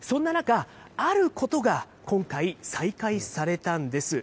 そんな中、あることが今回、再開されたんです。